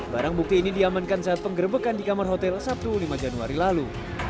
barang bukti ini diamankan saat penggerbekan di kamar hotel sabtu lima januari lalu